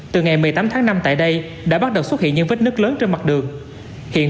từ ngày một mươi tám tháng năm tại đây đã bắt đầu xuất hiện những vết nứt lớn trên mặt đường hiện